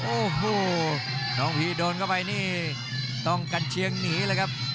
โอ้โหน้องพีโดนเข้าไปนี่ต้องกันเชียงหนีเลยครับ